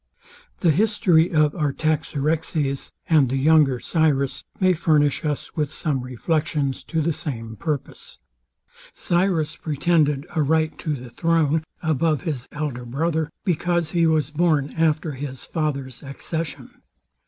The history of Artaxerxes, and the younger Cyrus, may furnish us with some reflections to the same purpose. Cyrus pretended a right to the throne above his elder brother, because he was born after his father's accession.